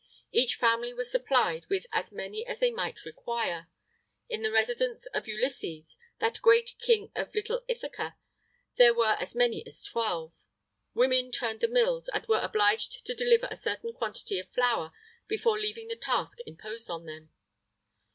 Each family was supplied with as many as they might require. In the residence of Ulysses, that great king of little Ithaca, there were as many as twelve. Women turned the mills, and were obliged to deliver a certain quantity of flour before leaving the task imposed on them.